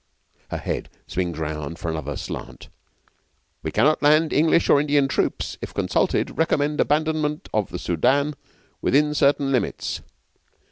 Her head swings round for another slant: '_We cannot land English or Indian troops: if consulted, recommend abandonment of the Soudan within certain limits.